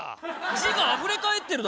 字があふれ返ってるだろ。